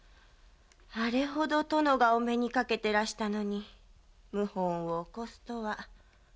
あれほど殿がお目にかけてらしたのに謀反を起こすとは。